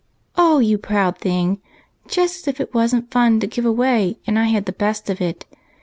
"O you proud thing! just as if it wasn't fun to give away, and I had the best of it.